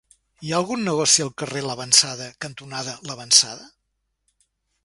Hi ha algun negoci al carrer L'Avançada cantonada L'Avançada?